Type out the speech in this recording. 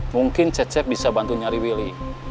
mungkin cecep bisa bantu nyari willy